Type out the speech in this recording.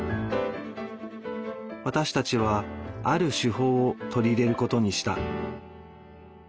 私たちはある手法を取り入れることにした。